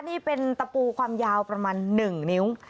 นี่เป็นตะปูความยาวประมาณ๑นิ้ว